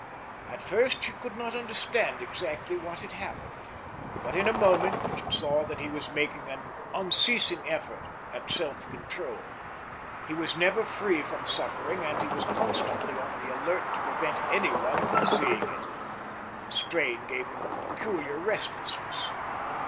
At first she could not understand exactly what had happened, but in a moment saw that he was making an unceasing effort at self control. He was never free from suffering and he was constantly on the alert to prevent anyone from seeing it. The strain gave him a peculiar restlessness.